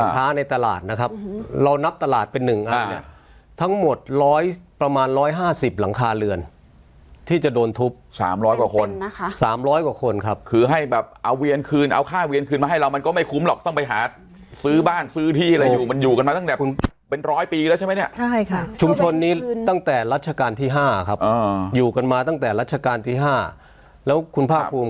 สิบหลังคาเรือนที่จะโดนทุบสามร้อยกว่าคนนะคะสามร้อยกว่าคนครับคือให้แบบเอาเวียนคืนเอาค่าเวียนคืนมาให้เรามันก็ไม่คุ้มหรอกต้องไปหาซื้อบ้านซื้อที่อะไรอยู่มันอยู่กันมาตั้งแต่คุณเป็นร้อยปีแล้วใช่ไหมเนี้ยใช่ค่ะชุมชนนี้ตั้งแต่รัชกาลที่ห้าครับอ่าอยู่กันมาตั้งแต่รัชกาลที่ห้าแล้วคุณภาคภูม